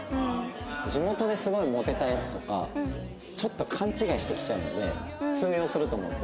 地元ですごいモテたヤツとかちょっと勘違いして来ちゃうので通用すると思って。